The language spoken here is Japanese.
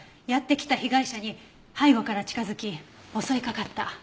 やって来た被害者に背後から近づき襲いかかった。